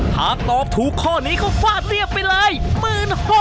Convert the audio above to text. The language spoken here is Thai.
ถามตอบทุกข้อนี้ก็ฝาดเรียบไปเลย